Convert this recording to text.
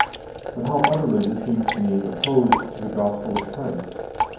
But how utterly this seems to me opposed to the gospel of Christ!